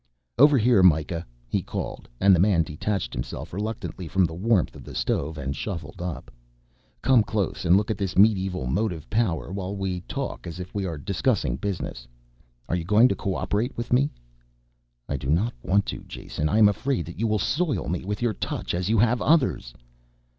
"Over here, Mikah," he called, and the man detached himself reluctantly from the warmth of the stove and shuffled up. "Come close and look at this medieval motive power while we talk, as if we are discussing business. Are you going to co operate with me?" "I do not want to, Jason. I am afraid that you will soil me with your touch, as you have others."